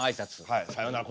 はい「さようなら」